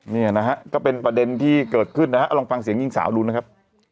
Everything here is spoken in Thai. นี่นะฮะก็เป็นประเด็นที่เกิดขึ้นนะฮะลองฟังเสียงหญิงสาวดูนะครับ